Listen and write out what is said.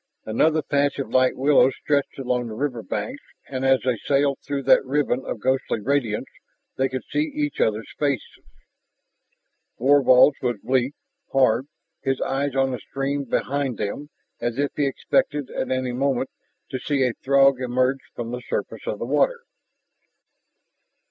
Another patch of light willows stretched along the river banks, and as they sailed through that ribbon of ghostly radiance they could see each other's faces. Thorvald's was bleak, hard, his eyes on the stream behind them as if he expected at any moment to see a Throg emerge from the surface of the water.